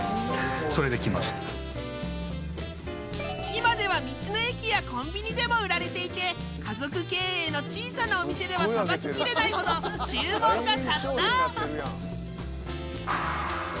今では道の駅やコンビニでも売られていて家族経営の小さなお店ではさばききれないほど注文が殺到。